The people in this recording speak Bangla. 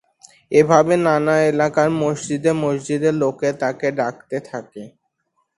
এভাবে নানা এলাকার মসজিদে মসজিদে লোকে তাকে ডাকতে থাকে।